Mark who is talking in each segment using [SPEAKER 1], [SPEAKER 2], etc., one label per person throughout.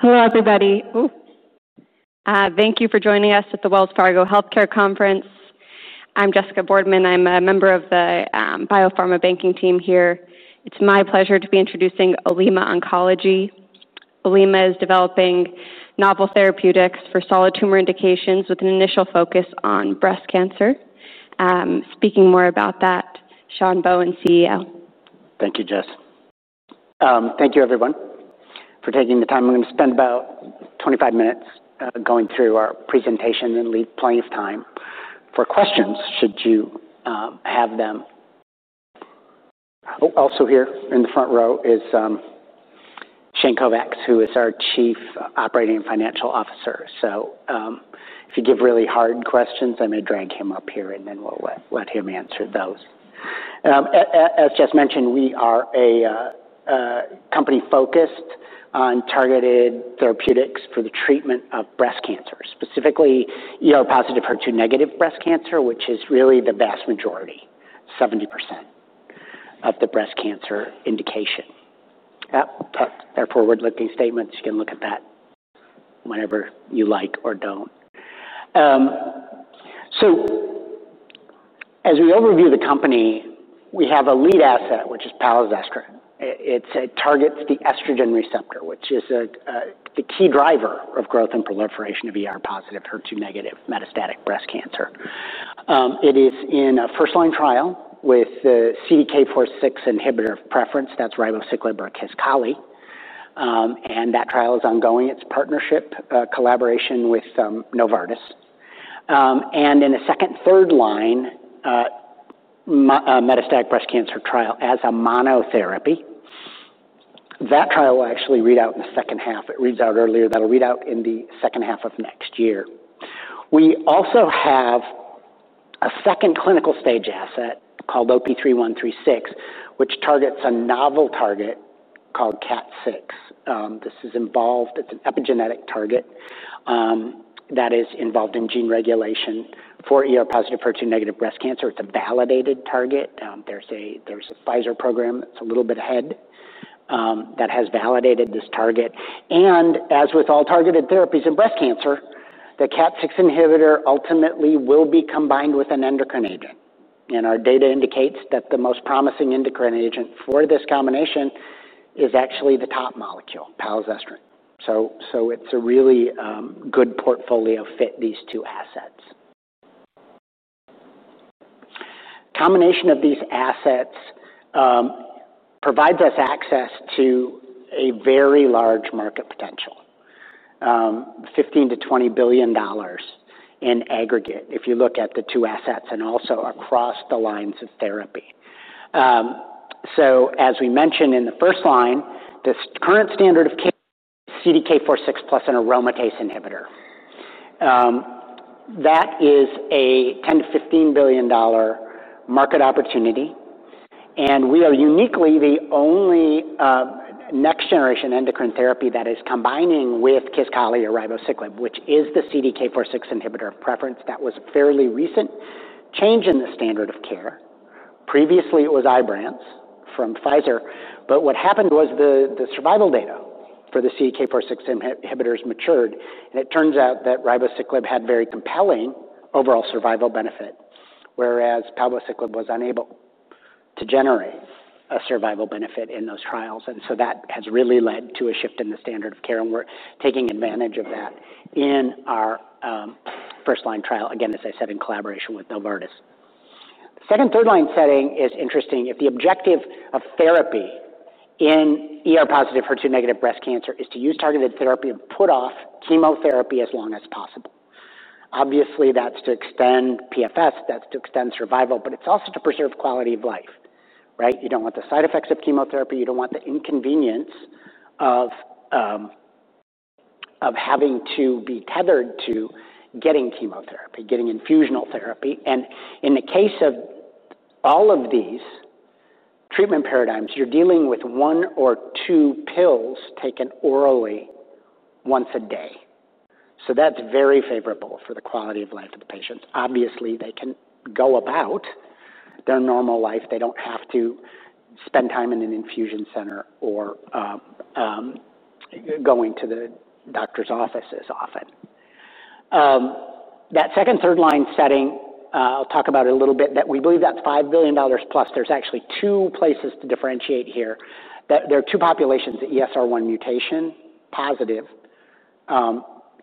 [SPEAKER 1] Hello, everybody. Thank you for joining us at the Wells Fargo Healthcare Conference. I'm Jessica Boardman. I'm a member of the biopharma banking team here. It's my pleasure to be introducing Olema Oncology. Olema is developing novel therapeutics for solid tumor indications with an initial focus on breast cancer. Speaking more about that, Sean Bohen, CEO.
[SPEAKER 2] Thank you, Jess. Thank you, everyone, for taking the time. We're gonna spend about 25 minutes going through our presentation and leave plenty of time for questions, should you have them. Oh, also here in the front row is Shane Kovacs, who is our Chief Operating Financial Officer. So, if you give really hard questions, I may drag him up here, and then we'll let him answer those. As Jess mentioned, we are a company focused on targeted therapeutics for the treatment of breast cancer, specifically ER-positive, HER2-negative breast cancer, which is really the vast majority, 70% of the breast cancer indication. They're forward-looking statements. You can look at that whenever you like or don't. So as we overview the company, we have a lead asset, which is palazestrant. It targets the estrogen receptor, which is the key driver of growth and proliferation of ER-positive, HER2-negative metastatic breast cancer. It is in a first-line trial with the CDK4/6 inhibitor of preference, that's ribociclib or Kisqali. And that trial is ongoing. It's partnership, collaboration with Novartis. And in the second/third line metastatic breast cancer trial as a monotherapy, that trial will actually read out in the second half. It reads out earlier. That'll read out in the second half of next year. We also have a second clinical stage asset called OP-3136, which targets a novel target called KAT6. This is involved. It's an epigenetic target that is involved in gene regulation for ER-positive, HER2-negative breast cancer. It's a validated target. There's a Pfizer program that's a little bit ahead that has validated this target, and as with all targeted therapies in breast cancer, the KAT6 inhibitor ultimately will be combined with an endocrine agent, and our data indicates that the most promising endocrine agent for this combination is actually the top molecule, palazestrant. So it's a really good portfolio fit, these two assets. Combination of these assets provides us access to a very large market potential, $15 billion-$20 billion in aggregate if you look at the two assets and also across the lines of therapy. So as we mentioned in the first line, this current standard of care, CDK4/6 plus an aromatase inhibitor. That is a $10-$15 billion market opportunity, and we are uniquely the only next-generation endocrine therapy that is combining with Kisqali or ribociclib, which is the CDK4/6 inhibitor of preference. That was a fairly recent change in the standard of care. Previously, it was Ibrance from Pfizer, but what happened was the survival data for the CDK4/6 inhibitors matured, and it turns out that ribociclib had very compelling overall survival benefit, whereas palbociclib was unable to generate a survival benefit in those trials, and so that has really led to a shift in the standard of care, and we're taking advantage of that in our first-line trial, again, as I said, in collaboration with Novartis. Second/third line setting is interesting. If the objective of therapy in ER-positive, HER2-negative breast cancer is to use targeted therapy to put off chemotherapy as long as possible. Obviously, that's to extend PFS, that's to extend survival, but it's also to preserve quality of life, right? You don't want the side effects of chemotherapy. You don't want the inconvenience of having to be tethered to getting chemotherapy, getting infusional therapy. And in the case of all of these treatment paradigms, you're dealing with one or two pills taken orally once a day. So that's very favorable for the quality of life of the patients. Obviously, they can go about their normal life. They don't have to spend time in an infusion center or going to the doctor's offices often. That second/third-line setting, I'll talk about it a little bit, that we believe that's $5 billion +. There's actually two places to differentiate here, that there are two populations, the ESR1 mutation-positive.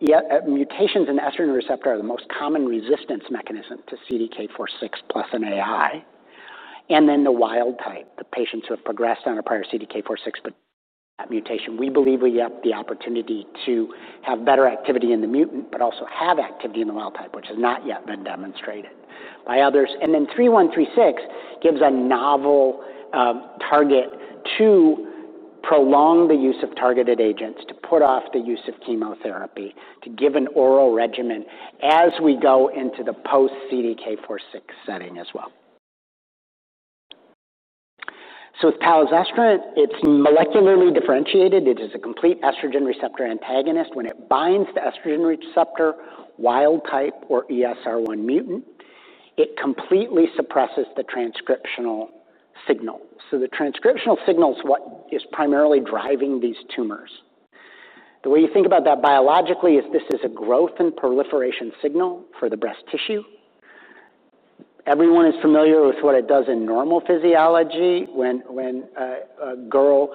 [SPEAKER 2] Mutations in estrogen receptor are the most common resistance mechanism to CDK4/6 + an AI, and then the wild type, the patients who have progressed on a prior CDK4/6 but mutation. We believe we have the opportunity to have better activity in the mutant but also have activity in the wild type, which has not yet been demonstrated by others. And then OP-3136 gives a novel target to prolong the use of targeted agents, to put off the use of chemotherapy, to give an oral regimen as we go into the post-CDK4/6 setting as well. So with palazestrant, it's molecularly differentiated. It is a complete estrogen receptor antagonist. When it binds the estrogen receptor, wild type or ESR1 mutant, it completely suppresses the transcriptional signal. So the transcriptional signal is what is primarily driving these tumors. The way you think about that biologically is this is a growth and proliferation signal for the breast tissue. Everyone is familiar with what it does in normal physiology. When a girl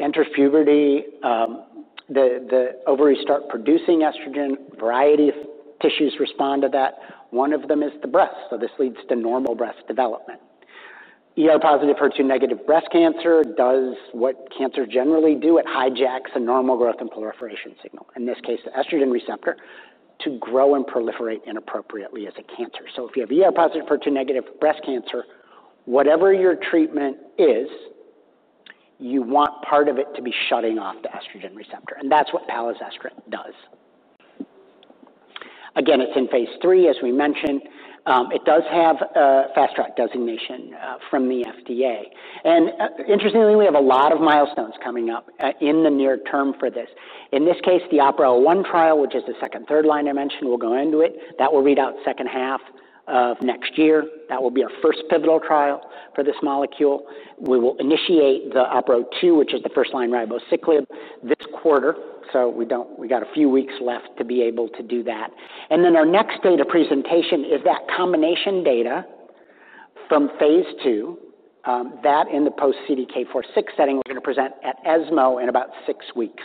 [SPEAKER 2] enters puberty, the ovaries start producing estrogen, a variety of tissues respond to that. One of them is the breast, so this leads to normal breast development. ER-positive, HER2-negative breast cancer does what cancer generally do, it hijacks a normal growth and proliferation signal, in this case, the estrogen receptor, to grow and proliferate inappropriately as a cancer. So if you have ER-positive, HER2-negative breast cancer, whatever your treatment is, you want part of it to be shutting off the estrogen receptor, and that's what palazestrant does. Again, it's in phase III, as we mentioned. It does have a Fast Track designation from the FDA. Interestingly, we have a lot of milestones coming up in the near term for this. In this case, the OPERA-01 trial, which is the second/third-line I mentioned, we'll go into it. That will read out second half of next year. That will be our first pivotal trial for this molecule. We will initiate the OPERA-02, which is the first-line ribociclib, this quarter, so we got a few weeks left to be able to do that. And then our next data presentation is that combination data from phase II that in the post-CDK4/6 setting, we're gonna present at ESMO in about six weeks,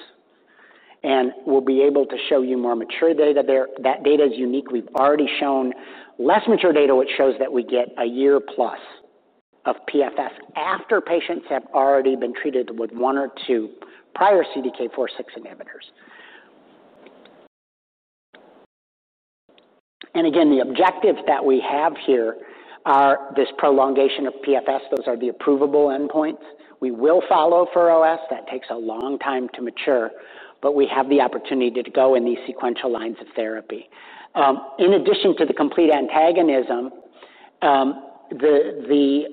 [SPEAKER 2] and we'll be able to show you more mature data there. That data is unique. We've already shown less mature data, which shows that we get a year plus of PFS after patients have already been treated with one or two prior CDK4/6 inhibitors. And again, the objectives that we have here are this prolongation of PFS. Those are the approvable endpoints. We will follow for OS. That takes a long time to mature, but we have the opportunity to go in these sequential lines of therapy. In addition to the complete antagonism, the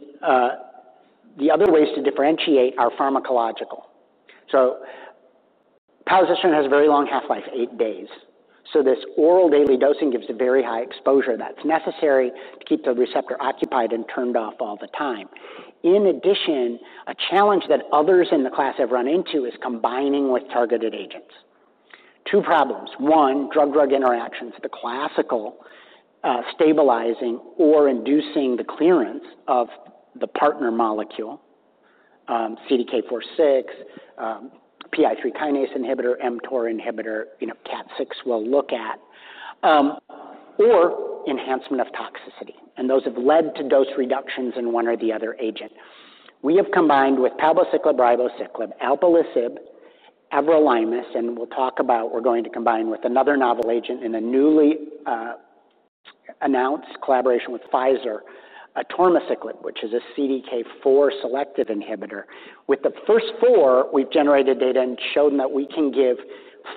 [SPEAKER 2] other ways to differentiate are pharmacological. So palazestrant has a very long half-life, eight days, so this oral daily dosing gives a very high exposure that's necessary to keep the receptor occupied and turned off all the time. In addition, a challenge that others in the class have run into is combining with targeted agents. Two problems: One, drug-drug interactions, the classical, stabilizing or inducing the clearance of the partner molecule, CDK4/6, PI3 kinase inhibitor, mTOR inhibitor, you know, KAT6 we'll look at, or enhancement of toxicity, and those have led to dose reductions in one or the other agent. We have combined with palbociclib, ribociclib, alpelisib, everolimus, and we'll talk about we're going to combine with another novel agent in a newly announced collaboration with Pfizer, atirmociclib, which is a CDK4 selective inhibitor. With the first four, we've generated data and shown that we can give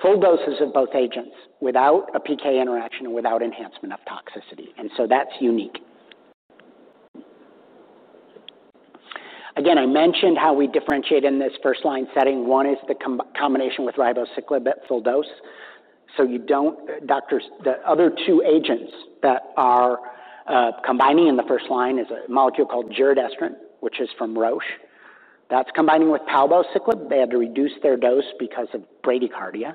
[SPEAKER 2] full doses of both agents without a PK interaction and without enhancement of toxicity, and so that's unique. Again, I mentioned how we differentiate in this first-line setting. One is the combination with ribociclib at full dose, so you don't... Doctors, the other two agents that are combining in the first line is a molecule called giredestrant, which is from Roche. That's combining with palbociclib. They had to reduce their dose because of bradycardia.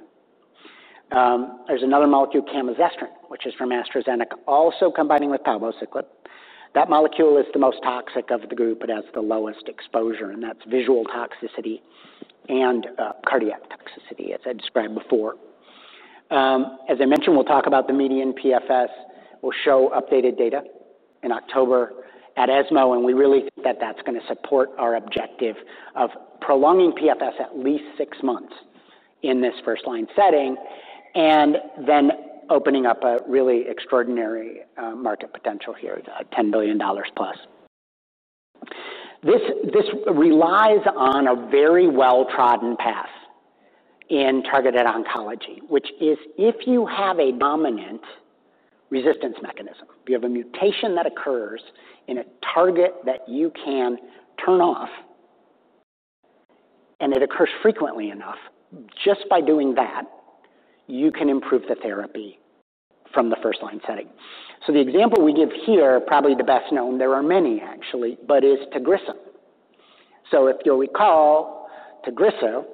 [SPEAKER 2] There's another molecule, camizestrant, which is from AstraZeneca, also combining with palbociclib. That molecule is the most toxic of the group, but has the lowest exposure, and that's visual toxicity and cardiac toxicity, as I described before. As I mentioned, we'll talk about the median PFS. We'll show updated data in October at ESMO, and we really think that that's gonna support our objective of prolonging PFS at least six months in this first-line setting, and then opening up a really extraordinary market potential here, $10 billion +. This relies on a very well-trodden path in targeted oncology, which is if you have a dominant resistance mechanism, if you have a mutation that occurs in a target that you can turn off, and it occurs frequently enough, just by doing that, you can improve the therapy from the first-line setting. So the example we give here, probably the best known, there are many actually, but is Tagrisso. So if you'll recall, Tagrisso,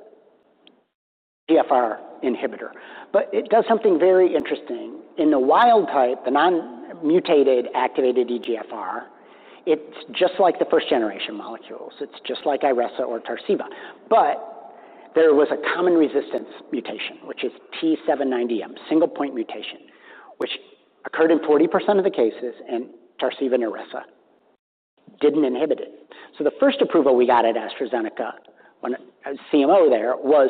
[SPEAKER 2] EGFR inhibitor, but it does something very interesting. In the wild type, the non-mutated, activated EGFR, it's just like the first-generation molecules. It's just like Iressa or Tarceva. But there was a common resistance mutation, which is T790M, single point mutation, which occurred in 40% of the cases, and Tarceva and Iressa didn't inhibit it. So the first approval we got at AstraZeneca, when I was CMO there, was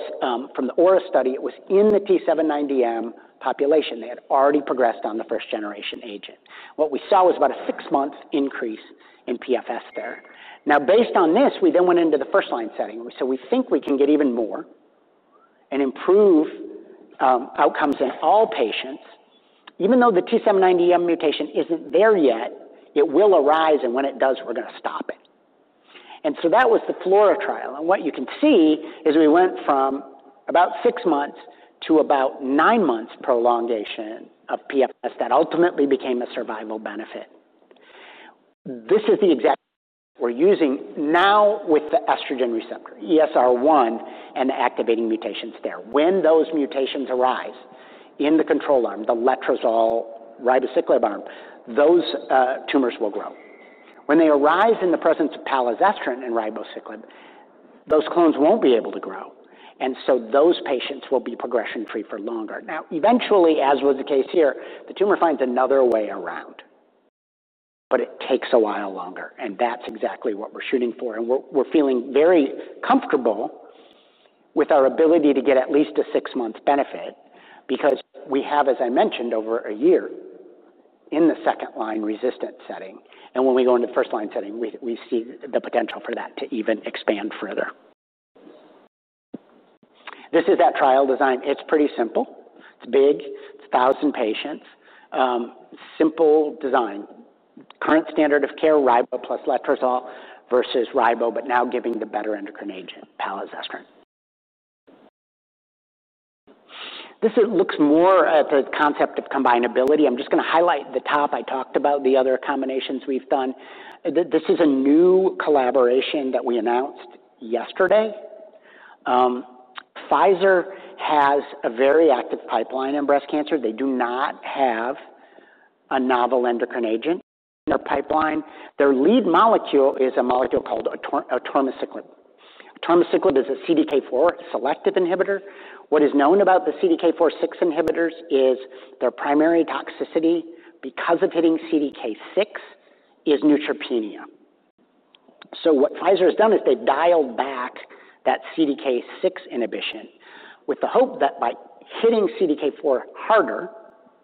[SPEAKER 2] from the AURA study. It was in the T790M population. They had already progressed on the first-generation agent. What we saw was about a six-month increase in PFS there. Now, based on this, we then went into the first-line setting, so we think we can get even more and improve outcomes in all patients. Even though the T790M mutation isn't there yet, it will arise, and when it does, we're gonna stop it.... And so that was the FLAURA trial, and what you can see is we went from about six months to about nine months prolongation of PFS. That ultimately became a survival benefit. This is the exact we're using now with the estrogen receptor, ESR1, and activating mutations there. When those mutations arise in the control arm, the letrozole ribociclib arm, those tumors will grow. When they arise in the presence of palazestrant and ribociclib, those clones won't be able to grow, and so those patients will be progression-free for longer. Now, eventually, as was the case here, the tumor finds another way around, but it takes a while longer, and that's exactly what we're shooting for, and what we're feeling very comfortable with our ability to get at least a six-month benefit because we have, as I mentioned, over a year in the second-line resistance setting, and when we go into first-line setting, we see the potential for that to even expand further. This is that trial design. It's pretty simple. It's big. It's a thousand patients. Simple design. Current standard of care, ribo plus letrozole versus ribo, but now giving the better endocrine agent, palazestrant. This looks more at the concept of combinability. I'm just gonna highlight the top. I talked about the other combinations we've done. This is a new collaboration that we announced yesterday. Pfizer has a very active pipeline in breast cancer. They do not have a novel endocrine agent in their pipeline. Their lead molecule is a molecule called atirmociclib. Atirmociclib is a CDK4 selective inhibitor. What is known about the CDK4/6 inhibitors is their primary toxicity, because of hitting CDK6, is neutropenia. So what Pfizer has done is they've dialed back that CDK6 inhibition with the hope that by hitting CDK4 harder,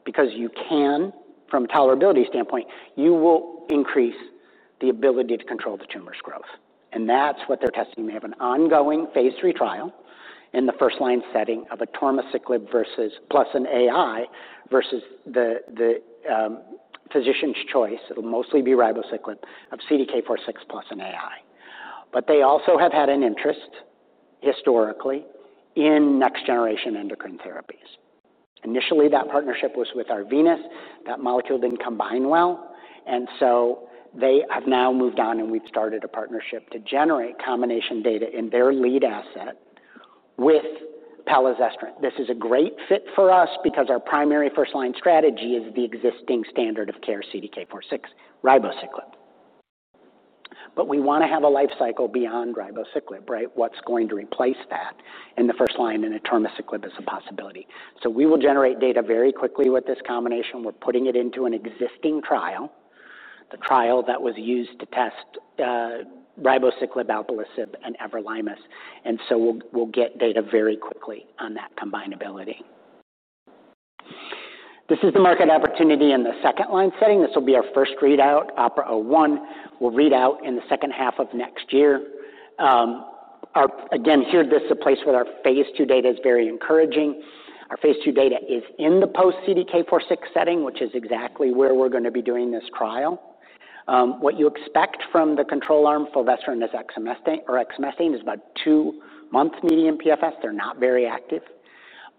[SPEAKER 2] because you can from a tolerability standpoint, you will increase the ability to control the tumor's growth, and that's what they're testing. They have an ongoing phase III trial in the first-line setting of atirmociclib versus, + an AI, versus the physician's choice. It'll mostly be ribociclib of CDK4/6 + an AI. But they also have had an interest historically in next-generation endocrine therapies. Initially, that partnership was with Arvinas. That molecule didn't combine well, and so they have now moved on, and we've started a partnership to generate combination data in their lead asset with palazestrant. This is a great fit for us because our primary first-line strategy is the existing standard of care, CDK4/6 ribociclib. But we wanna have a life cycle beyond ribociclib, right? What's going to replace that in the first line, and atirmociclib is a possibility. So we will generate data very quickly with this combination. We're putting it into an existing trial, the trial that was used to test ribociclib, alpelisib, and everolimus, and so we'll get data very quickly on that combinability. This is the market opportunity in the second-line setting. This will be our first readout, OPERA-01. We'll read out in the second half of next year. Our. Again, here, this is a place where our phase II data is very encouraging. Our phase II data is in the post-CDK4/6 setting, which is exactly where we're gonna be doing this trial. What you expect from the control arm, fulvestrant, or exemestane, is about two months median PFS. They're not very active.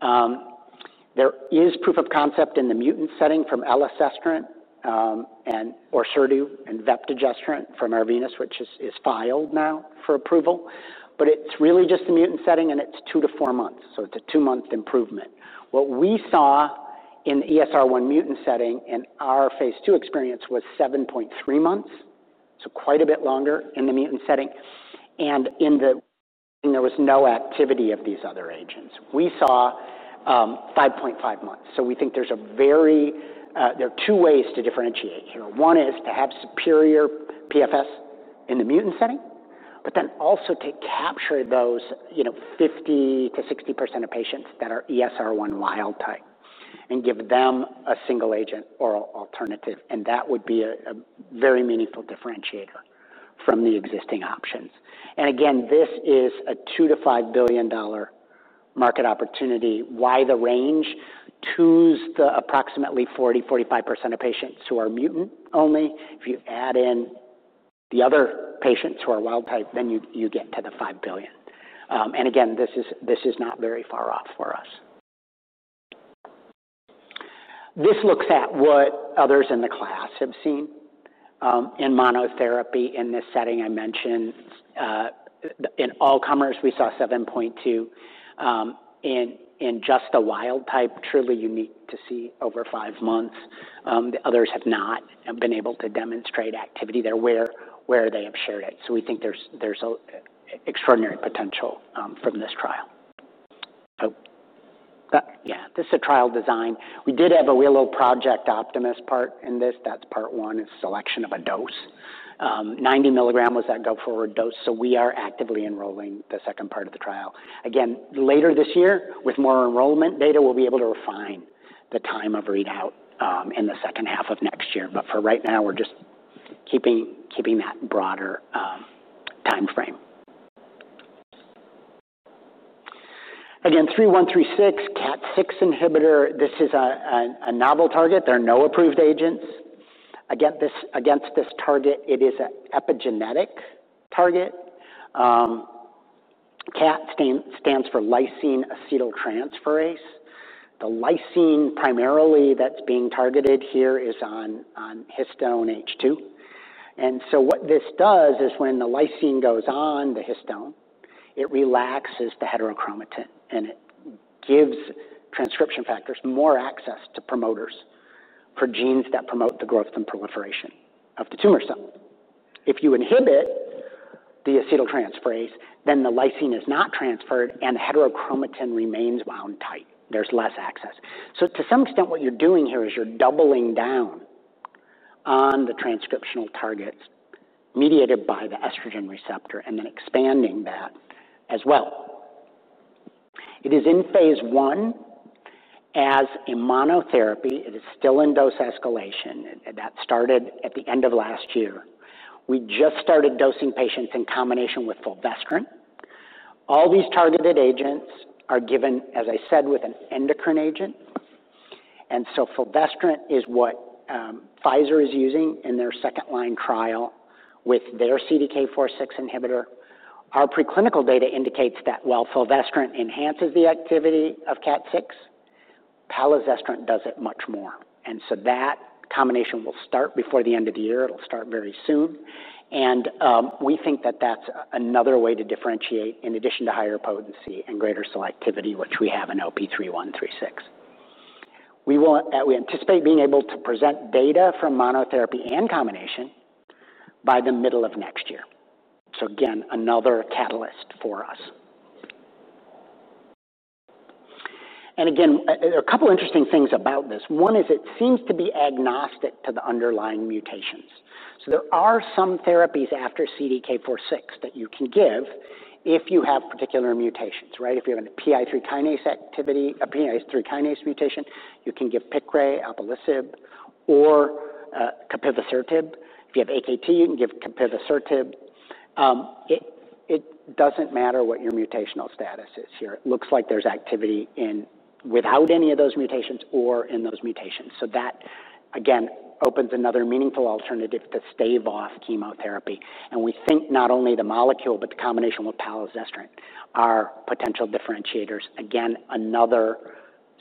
[SPEAKER 2] There is proof of concept in the mutant setting from elacestrant and Orserdu and vepdegestrant from Arvinas, which is filed now for approval. But it's really just a mutant setting, and it's two to four months, so it's a two-month improvement. What we saw in the ESR1 mutant setting in our phase II experience was seven point three months, so quite a bit longer in the mutant setting, and in the-- there was no activity of these other agents. We saw 5.5 months, so we think there's a very. There are two ways to differentiate here. One is to have superior PFS in the mutant setting, but then also to capture those, you know, 50%-60% of patients that are ESR1 wild type and give them a single-agent oral alternative, and that would be a very meaningful differentiator from the existing options. And again, this is a $2-$5 billion market opportunity. Why the range? That's approximately 40-45% of patients who are mutant only. If you add in the other patients who are wild type, then you get to the $5 billion. And again, this is not very far off for us. This looks at what others in the class have seen in monotherapy. In this setting, I mentioned in all comers, we saw 7.2 in just the wild type, truly unique to see over 5 months. The others have not been able to demonstrate activity there where they have shared it. So we think there's a extraordinary potential from this trial. Oh, yeah, this is a trial design. We did have a little Project Optimist part in this. That's part one, is selection of a dose. 90 mg was that go-forward dose, so we are actively enrolling the second part of the trial. Again, later this year, with more enrollment data, we'll be able to refine the time of readout in the second half of next year. But for right now, we're just keeping that broader time frame. Again, 3136, KAT6 inhibitor. This is a novel target. There are no approved agents. Again, this against this target, it is a epigenetic target. KAT stands for lysine acetyltransferase. The lysine primarily that's being targeted here is on histone H2. And so what this does is when the lysine goes on the histone, it relaxes the heterochromatin, and it gives transcription factors more access to promoters for genes that promote the growth and proliferation of the tumor cell. If you inhibit the acetyltransferase, then the lysine is not transferred, and the heterochromatin remains wound tight. There's less access. So to some extent, what you're doing here is you're doubling down on the transcriptional targets mediated by the estrogen receptor and then expanding that as well. It is in phase one as a monotherapy. It is still in dose escalation, and that started at the end of last year. We just started dosing patients in combination with fulvestrant. All these targeted agents are given, as I said, with an endocrine agent, and so fulvestrant is what, Pfizer is using in their second-line trial with their CDK4/6 inhibitor. Our preclinical data indicates that while fulvestrant enhances the activity of KAT6, palazestrant does it much more, and so that combination will start before the end of the year. It'll start very soon, and we think that that's another way to differentiate in addition to higher potency and greater selectivity, which we have in OP-3136. We anticipate being able to present data from monotherapy and combination by the middle of next year. So again, another catalyst for us. And again, a couple interesting things about this. One is it seems to be agnostic to the underlying mutations. So there are some therapies after CDK4/6 that you can give if you have particular mutations, right? If you have a PI3 kinase activity, a PI3 kinase mutation, you can give Piqray, alpelisib, or capivasertib. If you have AKT, you can give capivasertib. It doesn't matter what your mutational status is here. It looks like there's activity in without any of those mutations or in those mutations. So that, again, opens another meaningful alternative to stave off chemotherapy, and we think not only the molecule but the combination with palazestrant are potential differentiators. Again, another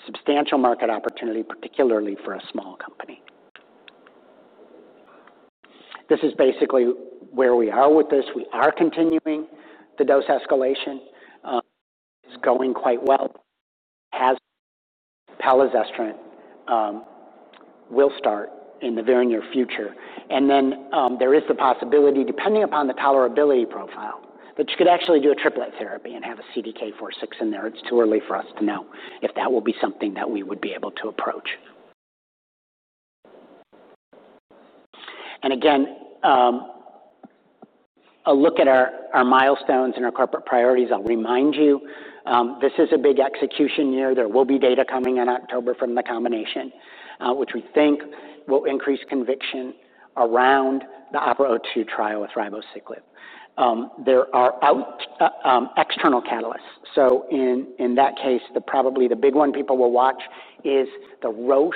[SPEAKER 2] substantial market opportunity, particularly for a small company. This is basically where we are with this. We are continuing the dose escalation. It's going quite well, as palazestrant will start in the very near future. And then, there is the possibility, depending upon the tolerability profile, that you could actually do a triplet therapy and have a CDK4/6 in there. It's too early for us to know if that will be something that we would be able to approach. And again, a look at our milestones and our corporate priorities. I'll remind you, this is a big execution year. There will be data coming in October from the combination, which we think will increase conviction around the OPERA-02 trial with ribociclib. There are external catalysts, so in that case, probably the big one people will watch is the Roche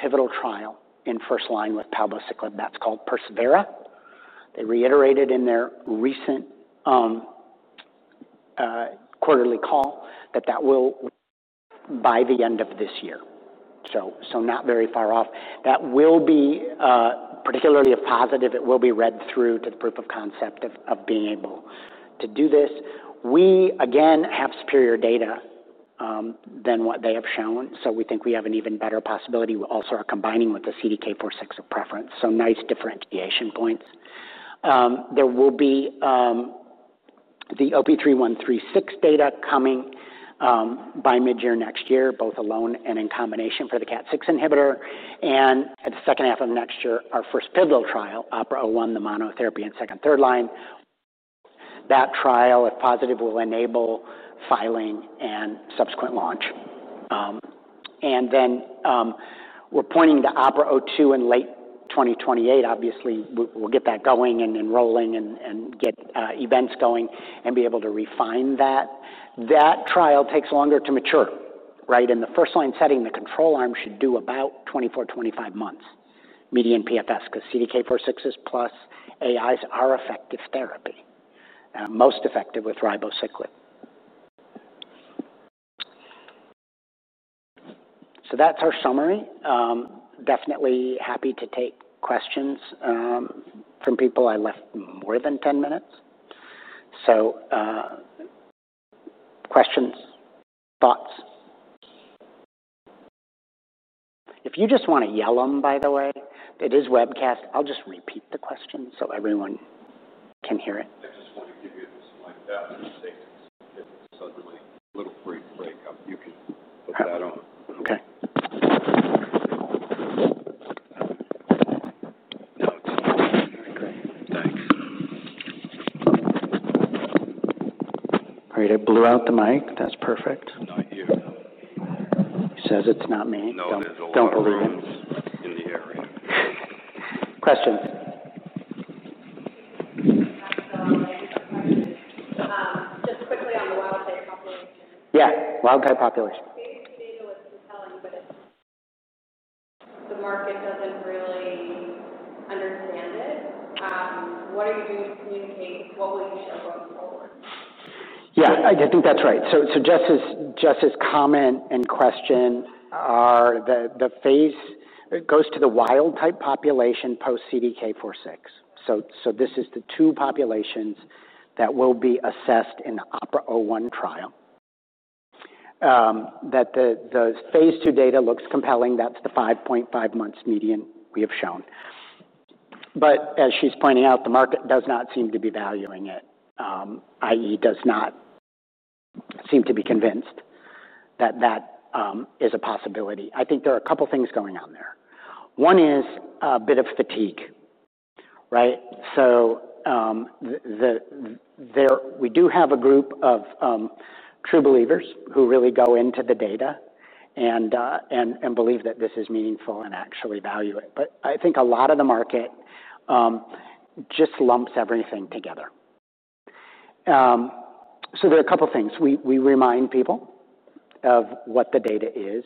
[SPEAKER 2] pivotal trial in first line with palbociclib. That's called persevERA. They reiterated in their recent quarterly call that that will by the end of this year, so not very far off. That will be particularly a positive. It will be read through to the proof of concept of being able to do this. We again have superior data than what they have shown, so we think we have an even better possibility. We also are combining with the CDK4/6 of preference, so nice differentiation points. There will be the OP-3136 data coming by midyear next year, both alone and in combination for the KAT6 inhibitor, and in the second half of next year, our first pivotal trial, OPERA-01, the monotherapy and second/third line. That trial, if positive, will enable filing and subsequent launch, and then we're pointing to OPERA-02 in late 2028. Obviously, we'll get that going and enrolling and get events going and be able to refine that. That trial takes longer to mature, right? In the first line setting, the control arm should do about 24-25 months, median PFS, 'cause CDK4/6 + AIs are effective therapy, most effective with ribociclib, so that's our summary. Definitely happy to take questions from people. I left more than 10 minutes, so questions, thoughts? If you just wanna yell 'em, by the way, it is webcast. I'll just repeat the question so everyone can hear it. I just want to give you this mic back suddenly. Little brief break. You can put that on. Okay. Thanks. All right, I blew out the mic. That's perfect. Not you. He says it's not me. No, there's a lot of rooms. Don't believe him.... Questions?
[SPEAKER 1] Just quickly on the wild. [inaudible]
[SPEAKER 2] Yeah, wild type population.
[SPEAKER 1] The market doesn't really understand it. What are you doing to communicate? What will you show going forward?
[SPEAKER 2] Yeah, I think that's right. Jess's comment and question are the phase. It goes to the wild type population post CDK4/6. This is the two populations that will be assessed in the OPERA-01 trial. The phase II data looks compelling, that's the 5.5 months median we have shown. But as she's pointing out, the market does not seem to be valuing it, i.e., does not seem to be convinced that that is a possibility. I think there are a couple things going on there. One is a bit of fatigue, right? We do have a group of true believers who really go into the data and believe that this is meaningful and actually value it. But I think a lot of the market just lumps everything together, so there are a couple things. We remind people of what the data is.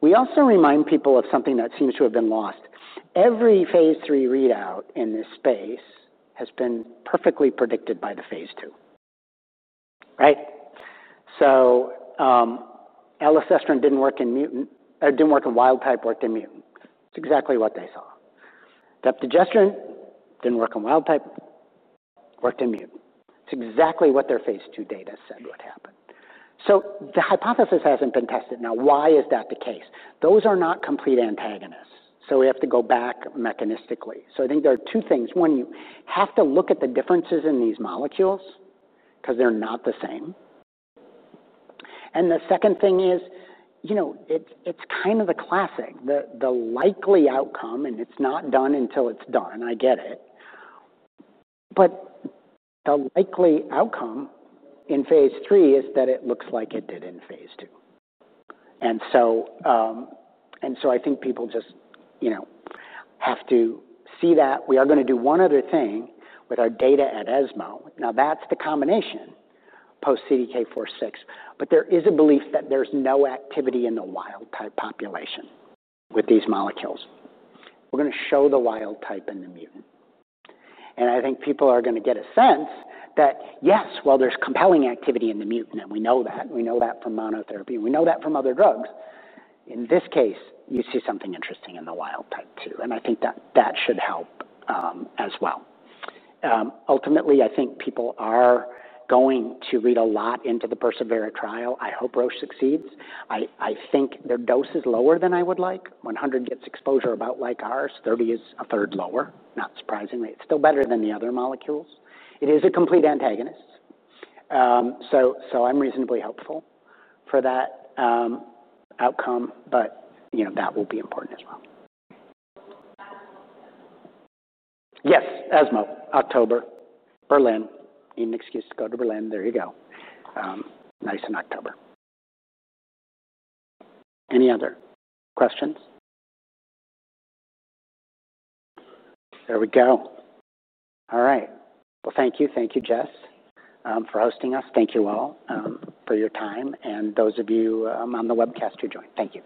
[SPEAKER 2] We also remind people of something that seems to have been lost. Every phase III readout in this space has been perfectly predicted by the phase II, right? Elacestrant didn't work in mutant, or didn't work in wild type, worked in mutant. It's exactly what they saw. That giredestrant didn't work in wild type, worked in mutant. It's exactly what their phase II data said would happen, so the hypothesis hasn't been tested. Now, why is that the case? Those are not complete antagonists, so we have to go back mechanistically, so I think there are two things. One, you have to look at the differences in these molecules because they're not the same. And the second thing is, you know, it's kind of the classic, the likely outcome, and it's not done until it's done. I get it. But the likely outcome in phase III is that it looks like it did in phase II. And so I think people just, you know, have to see that. We are gonna do one other thing with our data at ESMO. Now, that's the combination post CDK4/6, but there is a belief that there's no activity in the wild type population with these molecules. We're gonna show the wild type and the mutant, and I think people are gonna get a sense that, yes, while there's compelling activity in the mutant, and we know that, we know that from monotherapy, we know that from other drugs. In this case, you see something interesting in the wild type, too, and I think that that should help, as well. Ultimately, I think people are going to read a lot into the persevERA trial. I hope Roche succeeds. I think their dose is lower than I would like. One hundred gets exposure about like ours, thirty is a third lower, not surprisingly. It's still better than the other molecules. It is a complete antagonist. So, I'm reasonably hopeful for that outcome, but, you know, that will be important as well. Yes, ESMO, October, Berlin. Need an excuse to go to Berlin, there you go. Nice in October. Any other questions? There we go. All right. Well, thank you. Thank you, Jess, for hosting us. Thank you all, for your time and those of you, on the webcast who joined. Thank you.